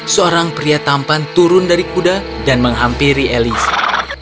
seorang pria tampan turun dari kuda dan menghampiri elisa